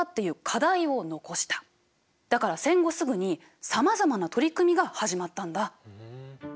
だから戦後すぐにさまざまな取り組みが始まったんだ。